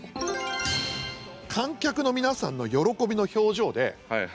観客の皆さんの喜びの表情で。